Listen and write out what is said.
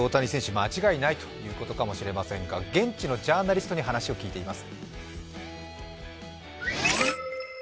間違いないということかもしれませんが現地のジャーナリストに話を聞いています。